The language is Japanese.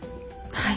はい。